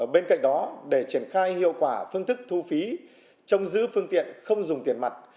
bên cạnh đó để triển khai hiệu quả phương thức thu phí trong giữ phương tiện không dùng tiền mặt